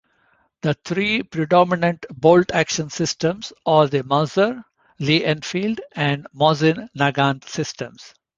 The three predominant bolt-action systems are the Mauser, Lee-Enfield, and Mosin-Nagant systems.